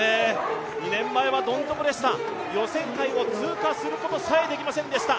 ２年前はどん底でした予選会を通過することさえできませんでした。